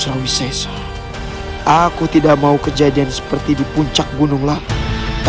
apakah benar yang di dalam tubuh ratu junti adalah ibu bunda subang lara